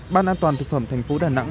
ban an toàn thực phẩm tp đà nẵng